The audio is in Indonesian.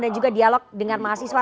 dan juga dialog dengan mahasiswa